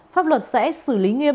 pháp luật sẽ xử lý nghiêm